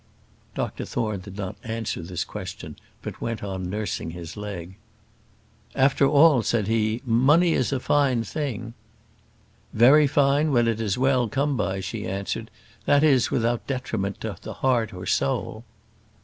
Dr Thorne did not answer this question, but went on nursing his leg. "After all," said he, "money is a fine thing." "Very fine, when it is well come by," she answered; "that is, without detriment to the heart or soul."